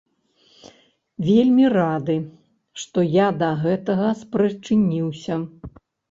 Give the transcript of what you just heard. Вельмі рады, што я да гэтага спрычыніўся.